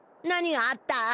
何があった？